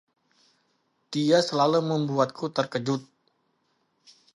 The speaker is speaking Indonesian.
Dia selalu membuatku terkejut.